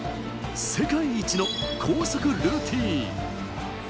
世界一の高速ルーティーン。